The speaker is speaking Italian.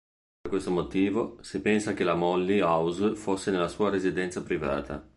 Per questo motivo, si pensa che la molly house fosse nella sua residenza privata.